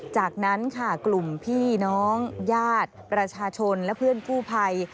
จากนั้นค่ะกลุ่มพี่น้องญาติประชาชนและเพื่อนกู้ภัย